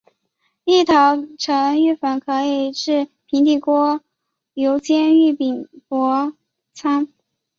芋头成芋粉可以制平底锅油煎芋饼薄餐。